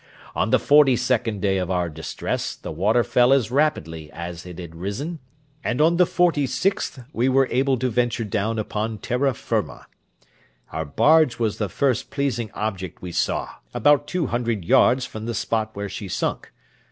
On the forty second day of our distress the water fell as rapidly as it had risen, and on the forty sixth we were able to venture down upon terra firma. Our barge was the first pleasing object we saw, about two hundred yards from the spot where she sunk.